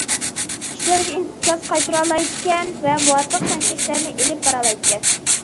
كىشىلەرگە ئىنكاس قايتۇرالايدىكەن ۋە مۇۋاپىق تەڭشەشلەرنى ئېلىپ بارالايدىكەن.